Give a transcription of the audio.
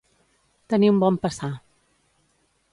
Tenir un bon passar.